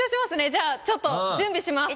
じゃあちょっと準備します。